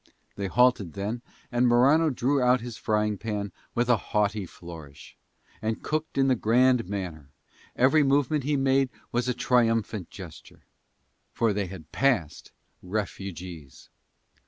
They halted then, and Morano drew out his frying pan with a haughty flourish, and cooked in the grand manner, every movement he made was a triumphant gesture; for they had passed refugees!